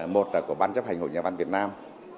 một là của ban chấp hành hội nhà văn việt nam